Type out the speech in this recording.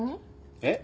えっ？